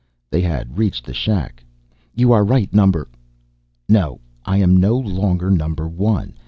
They had reached the shack. "You are right, Number ..." "No. I am no longer Number One.